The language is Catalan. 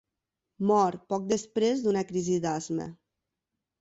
Mor poc després d'una crisi d'asma.